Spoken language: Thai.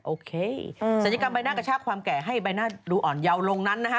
โอเคศัลยกรรมใบหน้ากระชากความแก่ให้ใบหน้าดูอ่อนเยาว์ลงนั้นนะฮะ